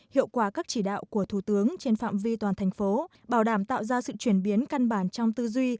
hiệu quả các chỉ đạo của thủ tướng trên phạm vi toàn thành phố bảo đảm tạo ra sự chuyển biến căn bản trong tư duy